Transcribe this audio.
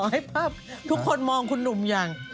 ขอให้ถูกคนมองคุณหนุ่มอย่าง